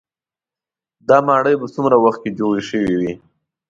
دا ماڼۍ په څومره وخت کې جوړې شوې وي.